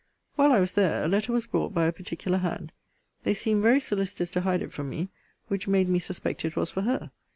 While I was there a letter was brought by a particular hand. They seemed very solicitous to hide it from me; which made me suspect it was for her.